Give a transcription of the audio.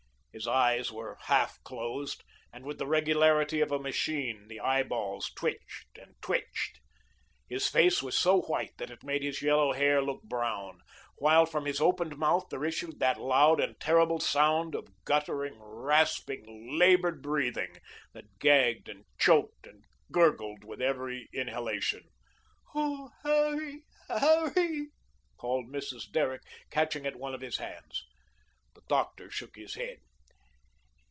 His eyes were half closed, and with the regularity of a machine, the eyeballs twitched and twitched. His face was so white that it made his yellow hair look brown, while from his opened mouth, there issued that loud and terrible sound of guttering, rasping, laboured breathing that gagged and choked and gurgled with every inhalation. "Oh, Harrie, Harrie," called Mrs. Derrick, catching at one of his hands. The doctor shook his head.